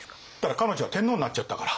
彼女は天皇になっちゃったから。